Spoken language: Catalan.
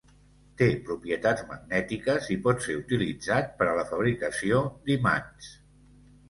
Té propietats magnètiques i pot ser utilitzat per a la fabricació d'imants.